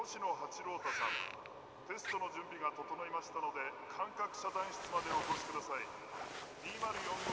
テストの準備が整いましたので感覚遮断室までおこしください」。